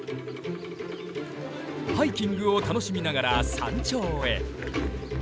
ハイキングを楽しみながら山頂へ！